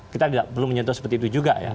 kita belum menyentuh seperti itu juga ya